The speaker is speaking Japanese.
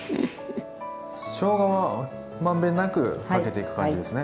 しょうがは満遍なくかけていく感じですね。